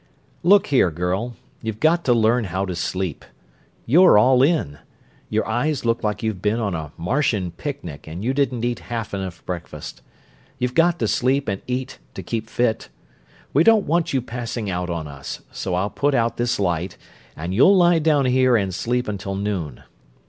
"Look here, girl; you've got to learn how to sleep. You're all in. Your eyes look like you'd been on a Martian picnic and you didn't eat half enough breakfast. You've got to sleep and eat to keep fit. We don't want you passing out on us, so I'll put out this light, and you'll lie down here and sleep until noon."